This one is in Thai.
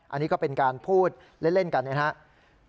อันนี้ก็เป็นการพูดเล่นกันนะครับ